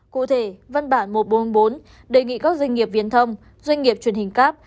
cụ thể văn bản một trăm bốn mươi bốn đề nghị các doanh nghiệp viên thông doanh nghiệp truyền hình cap